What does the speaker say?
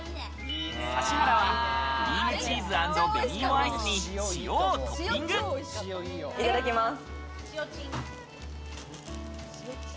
指原はクリームチーズ＆紅芋アイスにいただきます。